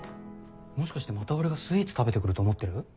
もしかしてまた俺がスイーツ食べて来ると思ってる？